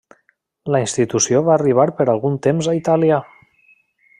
La institució va arribar per algun temps a Itàlia.